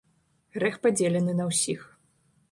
Грэх падзелены на ўсіх.